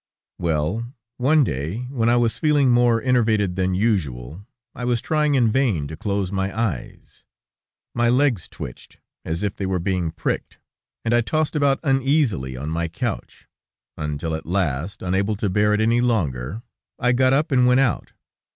Well, one day when I was feeling more enervated than usual, I was trying in vain to close my eyes. My legs twitched as if they were being pricked, and I tossed about uneasily on my couch, until at last, unable to bear it any longer, I got up and went out.